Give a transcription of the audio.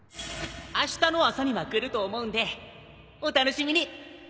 あしたの朝には来ると思うんでお楽しみに